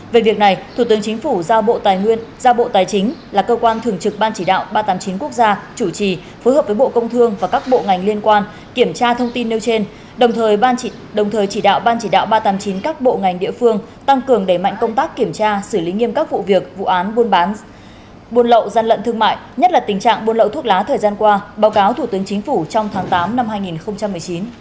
về việc này thủ tướng chính phủ giao bộ tài nguyên giao bộ tài chính là cơ quan thường trực ban chỉ đạo ba trăm tám mươi chín quốc gia chủ trì phối hợp với bộ công thương và các bộ ngành liên quan kiểm tra thông tin nêu trên đồng thời chỉ đạo ban chỉ đạo ba trăm tám mươi chín các bộ ngành địa phương tăng cường đẩy mạnh công tác kiểm tra xử lý nghiêm các vụ việc vụ án buôn bán buôn lậu gian lận thương mại nhất là tình trạng buôn lậu thuốc lá thời gian qua báo cáo thủ tướng chính phủ trong tháng tám năm hai nghìn một mươi chín